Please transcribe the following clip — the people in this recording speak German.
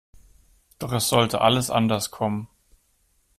Doch es sollte alles anders kommen.